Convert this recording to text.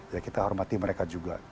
ya kita hormati mereka juga